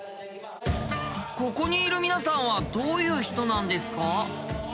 ここにいる皆さんはどういう人なんですか？